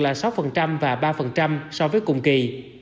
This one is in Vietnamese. là sáu và ba so với cùng kỳ